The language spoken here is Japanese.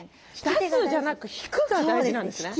出すじゃなく引くが大事なんですね。